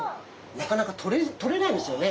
なかなか取れないんですよね